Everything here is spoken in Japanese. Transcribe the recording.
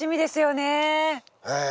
ええ。